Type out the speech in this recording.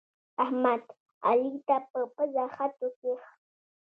احمد، علي ته په پزه خط وکيښ.